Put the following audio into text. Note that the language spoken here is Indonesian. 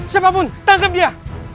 siapapun tangkap dia